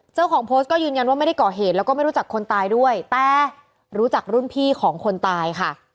เจ้าของโพสต์ก็ยืนยันว่าไม่ได้ก่อเหตุแล้วก็ไม่รู้จักคนตายด้วยแต่รู้จักรุ่นพี่ของคนตายค่ะ